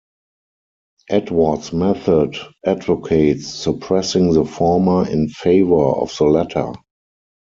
Edwards' method advocates suppressing the former in favor of the latter.